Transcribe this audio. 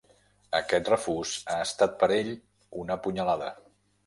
Aquest refús ha estat per a ell una punyalada.